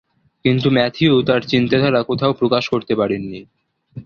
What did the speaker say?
কিন্তু ম্যাথিউ তার চিন্তাধারা কোথাও প্রকাশ করতে পারেননি।